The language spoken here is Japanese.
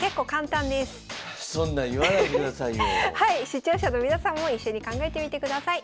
視聴者の皆さんも一緒に考えてみてください。